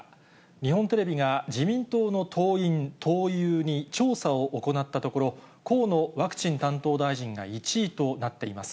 日本テレビが自民党の党員・党友に調査を行ったところ、河野ワクチン担当大臣が１位となっています。